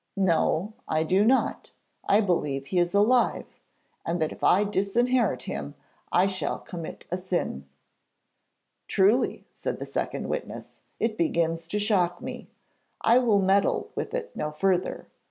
'No; I do not. I believe he is alive, and that if I disinherit him I shall commit a sin.' 'Truly,' said the second witness; 'it begins to shock me. I will meddle with it no further.'